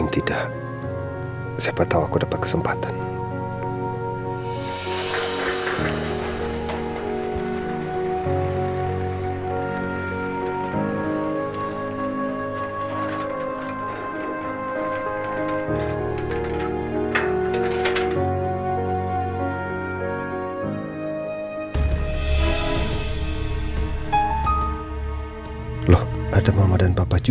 nida biar kata kawan behwal yang makan malam